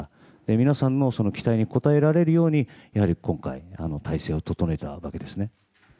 皆さんの期待に応えられるようにやはり今回体制を整えたわけですね。